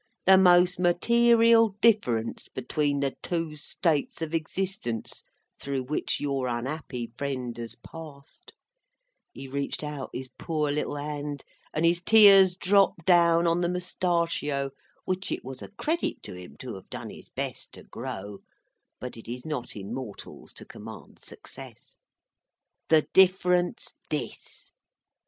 The most material difference between the two states of existence through which your unhappy friend has passed;" he reached out his poor little hand, and his tears dropped down on the moustachio which it was a credit to him to have done his best to grow, but it is not in mortals to command success,—"the difference this.